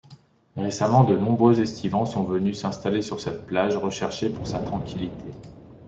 Récemment, de nombreux estivants sont venus s'installer sur cette plage recherchée pour sa tranquillité.